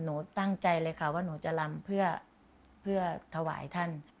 หนูตั้งใจเลยค่ะว่าหนูจะลำเพื่อถวายท่าน